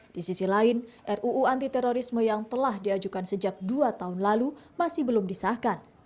di sisi lain ruu antiterorisme yang telah diajukan sejak dua tahun lalu masih belum disahkan